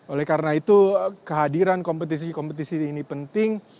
oleh karena itu kehadiran kompetisi kompetisi ini penting